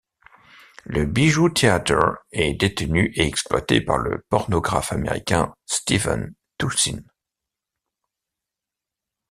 Le Bijou Theater est détenu et exploité par le pornographe américain Steven Toushin.